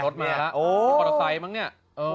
พอร์ตอไซค์มั้งเนี่ย